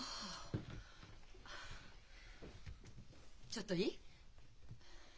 ちょっといい？